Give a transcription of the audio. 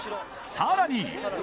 さらに。